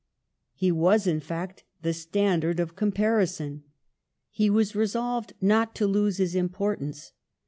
He was, in fact, the standard of comparison. He was resolved not to lose his importance.